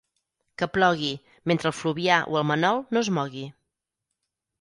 Que plogui, mentre el Fluvià o el Manol no es mogui.